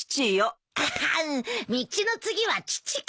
道の次は父か。